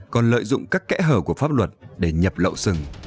còn lợi dụng các kẽ hở của pháp luật để nhập lậu rừng